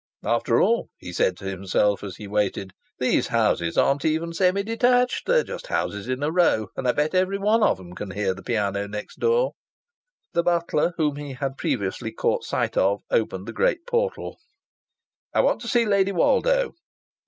"After all," he said to himself as he waited, "these houses aren't even semi detached! They're just houses in a row, and I bet every one of 'em can hear the piano next door!" The butler whom he had previously caught sight of opened the great portal. "I want to see Lady Woldo."